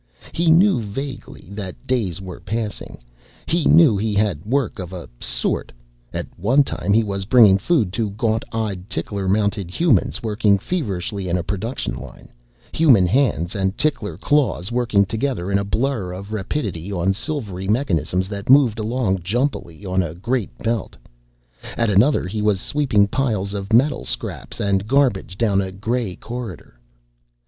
He knew vaguely that days were passing. He knew he had work of a sort: at one time he was bringing food to gaunt eyed tickler mounted humans working feverishly in a production line human hands and tickler claws working together in a blur of rapidity on silvery mechanisms that moved along jumpily on a great belt; at another he was sweeping piles of metal scraps and garbage down a gray corridor.